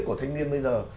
của thanh niên bây giờ